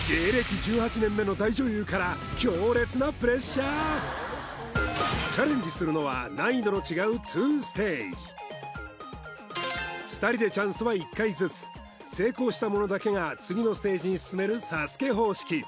１８年目の大女優から強烈なプレッシャーチャレンジするのは難易度の違う２ステージ２人でチャンスは１回ずつ成功した者だけが次のステージに進めるＳＡＳＵＫＥ方式